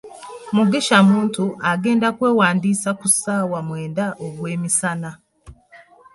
Mugisha Muntu agenda kwewandiisa ku ssaawa mwenda ogwemisana.